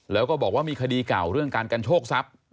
แล้วก็บอกว่ามีคดีเก่าเรื่องการกันโชคทรัพย์